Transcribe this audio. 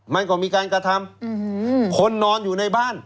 มันก็มีการกระทำคนนอนอยู่ในบ้าน